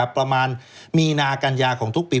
ประมาณมีนากัญญาของทุกปี